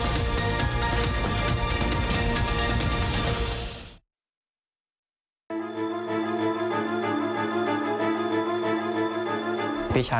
อันดับสุดท้ายของพี่รัตติว